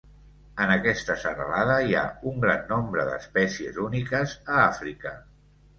En aquesta serralada, hi ha un gran nombre d'espècies úniques a Àfrica.